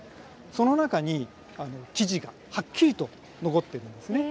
その中に記事がはっきりと残ってるんですね。